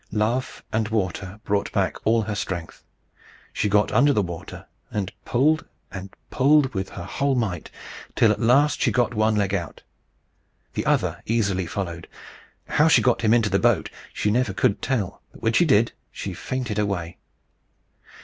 Love and water brought back all her strength. She got under the water, and pulled and pulled with her whole might, till at last she got one leg out. The other easily followed. How she got him into the boat she never could tell; but when she did, she fainted away.